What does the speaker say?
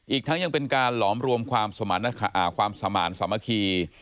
อีกทั้งยังเป็นการหลอมรวมความสมาร์ทสามัคคี